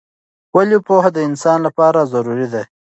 ولې پوهه د انسان لپاره ضروری ده؟